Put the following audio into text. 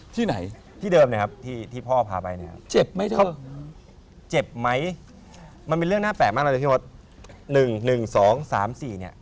ที่ไหนที่เดิมนะครับที่พ่อพาไปนะครับเจ็บไหมเจ็บไหมมันเป็นเรื่องน่าแปลกมากเลยพี่โมท